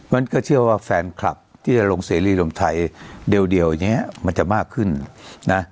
งั้นก็เชื่อว่าแฟนคลับที่จะลงเสรีรวมไทยเดียวอย่างนี้มันจะมากขึ้นนะ